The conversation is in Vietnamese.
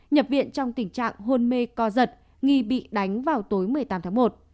nhập viện trong tình trạng hôn mê co giật nghi bị đánh vào tối một mươi tám tháng một